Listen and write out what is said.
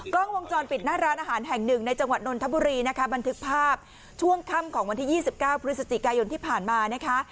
กล้องวงจรปิดหน้าร้านอาหารแห่งหนึ่งในจังหวัดนนทบุรีนะคะบันทึกภาพช่วงค่ำของวันที่๒๙พฤศจิกายนที่ผ่านมานะคะ